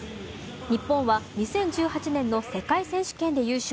日本は２０１８年の世界選手権で優勝